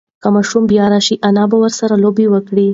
که ماشوم بیا راشي، انا به ورسره لوبه وکړي.